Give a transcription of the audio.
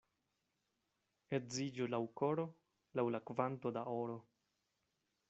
Edziĝo laŭ koro, laŭ la kvanto da oro.